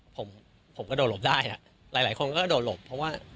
ผมผมกระโดดหลบได้หลายคนก็โดดหลบเพราะว่า